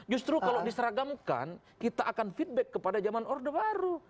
justru kalau diseragamkan kita akan feedback kepada zaman orde baru